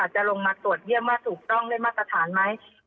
จะลงมาตรวจเยี่ยมว่าถูกต้องได้มาตรฐานไหม